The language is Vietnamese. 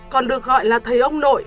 còn được gọi là thầy ông nội